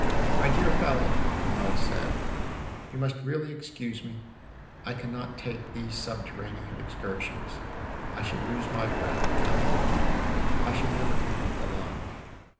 "My dear fellow," Bernard said, "you must really excuse me; I cannot take these subterranean excursions. I should lose my breath down there; I should never come up alive.